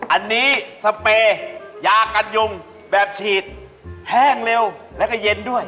อันนี้สเปรยากันยุงแบบฉีดแห้งเร็วแล้วก็เย็นด้วย